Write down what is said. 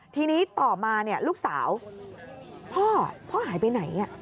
ทีนี้ต่อมาเนี่ยลูกสาวพ่อพ่อหายไปไหนอ่ะ